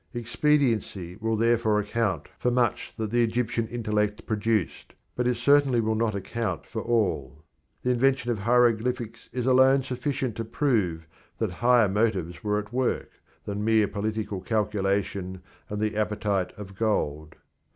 Expediency will therefore account for much that the Egyptian intellect produced, but it certainly will not account for all. The invention of hieroglyphics is alone sufficient to prove that higher motives were at work than mere political calculation and the appetite of gold.